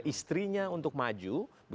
istrinya untuk maju